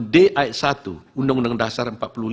d ayat satu undang undang dasar empat puluh lima